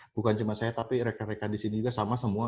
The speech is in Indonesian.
bukan cuma saya tapi rekan rekan di sini juga sama semua